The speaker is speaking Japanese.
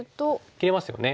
切れますよね。